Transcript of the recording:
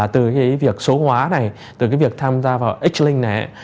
từ việc số hóa này từ việc tham gia vào h link này